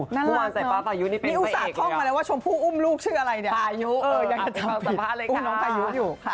น่ารักน้อยนี่อุตส่าห์ท่องมาแล้วว่าชมพูอุ้มลูกชื่ออะไรเนี่ยพายุยังจะทำผิดอุ้มน้องพายุอยู่